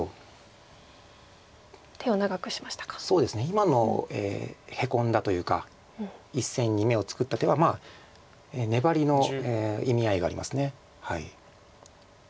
今のヘコんだというか１線に眼を作った手は粘りの意味合いがあります。